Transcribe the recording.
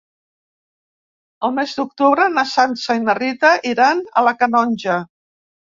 El nou d'octubre na Sança i na Rita iran a la Canonja.